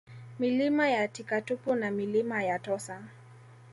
Milima ya Tikatupu na Milima ya Tossa